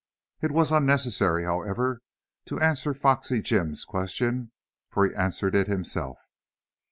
It was unnecessary, however, to answer Foxy Jim's question, for he answered it himself.